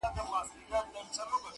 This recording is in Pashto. • خو نتيجه نه راځي هېڅکله,